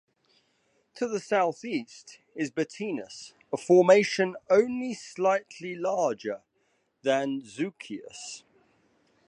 To the southeast is Bettinus, a formation only slightly larger than Zucchius.